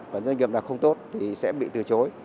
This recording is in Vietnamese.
còn doanh nghiệp làm không tốt thì sẽ bị từ chối